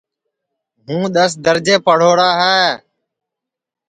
ہُوں دؔس درجے پڑھوڑا ہے